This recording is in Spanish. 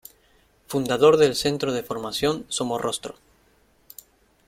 Fundador del Centro de Formación Somorrostro.